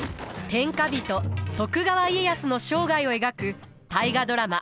天下人徳川家康の生涯を描く大河ドラマ